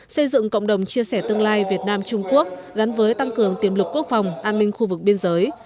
xây dựng cộng đồng chia sẻ tương lai việt nam trung quốc gắn với tăng cường tiềm lực quốc phòng an ninh khu vực biên giới